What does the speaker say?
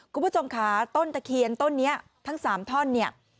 คุณผู้ชมค่ะต้นตะเคียนต้นนี้ทั้ง๓ท่อนเนี่ย